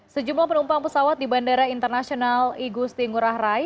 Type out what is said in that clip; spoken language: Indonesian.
sejumlah penumpang pesawat di bandara internasional igusti ngurah rai